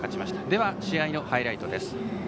では試合のハイライトです。